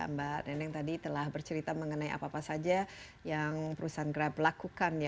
mbak neneng tadi telah bercerita mengenai apa apa saja yang perusahaan grab lakukan ya